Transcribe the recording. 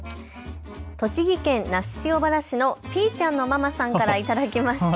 栃木県那須塩原市のＰちゃんのママさんから頂きました。